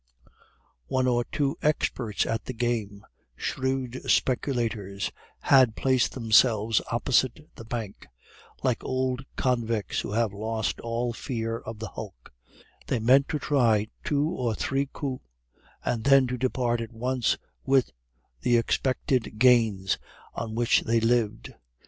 One or two experts at the game, shrewd speculators, had placed themselves opposite the bank, like old convicts who have lost all fear of the hulks; they meant to try two or three coups, and then to depart at once with the expected gains, on which they lived.